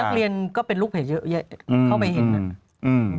ซึ่งนักเรียนก็เป็นลูกเพจเข้าไปเห็นนั่น